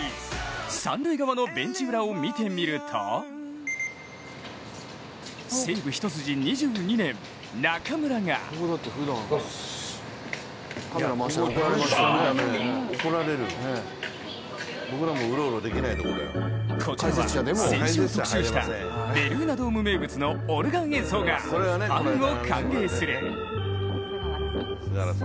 三塁側のベンチ裏を見てみると西武一筋２２年、中村がこちらは、先週特集したベルーナドーム名物のオルガン演奏がファンを歓迎する。